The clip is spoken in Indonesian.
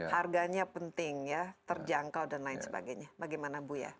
harganya penting ya terjangkau dan lain sebagainya bagaimana bu ya